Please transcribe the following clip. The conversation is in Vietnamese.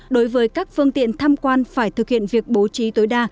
đối với các phương tiện tham quan phải thực hiện việc bố trí tối đa